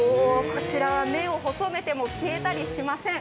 こちらは目を細めても消えたりしません。